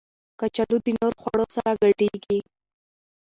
کچالو د نورو خوړو سره ښه ګډېږي